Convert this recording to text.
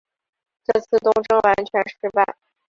这次东征完全失败。